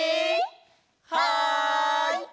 はい！